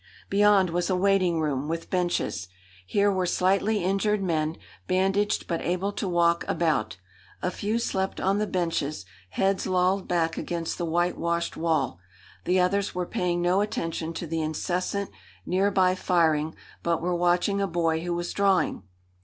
Beyond was a waiting room, with benches. Here were slightly injured men, bandaged but able to walk about. A few slept on the benches, heads lolled back against the whitewashed wall. The others were paying no attention to the incessant, nearby firing, but were watching a boy who was drawing.